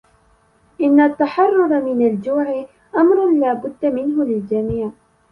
إن التحرر من الجوع أمر لا بد منه للجميع.